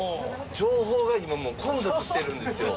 情報が今もう混雑してるんですよ。